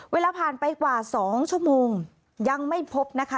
เวลาผ่านไปกว่า๒ชั่วโมงยังไม่พบนะคะ